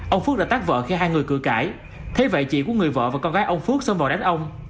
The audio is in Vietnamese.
ông phước đã tắt vợ khi hai người cử cãi thế vậy chỉ của người vợ và con gái ông phước sống vào đánh ông